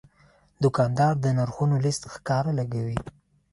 دوکاندار د نرخونو لیست ښکاره لګوي.